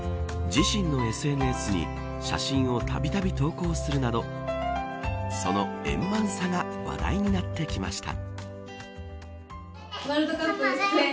自身のＳＮＳに写真をたびたび投稿するなどその円満さが話題になっていました。